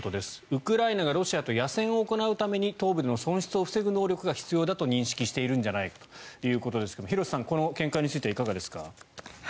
ウクライナがロシアと野戦を行うために東部での損失を防ぐ能力が必要だと認識しているんじゃないかということですが廣瀬さん、この見解についてはいかがですか？